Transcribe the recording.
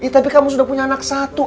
tapi kamu sudah punya anak satu